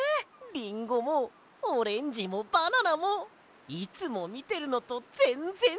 リンゴもオレンジもバナナもいつもみてるのとぜんぜんちがうや！